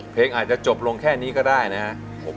อาจจะจบลงแค่นี้ก็ได้นะครับ